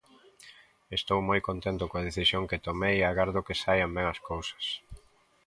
Estou moi contento coa decisión que tomei e agardo que saian ben as cousas.